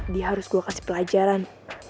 dia harus gue kasih pelajaran